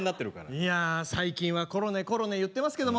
いや最近はコロネコロネ言ってますけども。